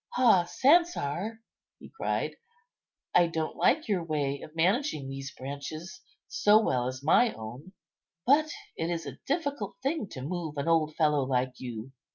"Ah, Sansar!" he cried, "I don't like your way of managing these branches so well as my own; but it is a difficult thing to move an old fellow like you.